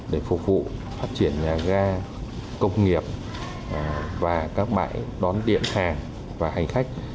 để phục vụ phát triển nhà ga công nghiệp và các bãi đón điện hàng và hành khách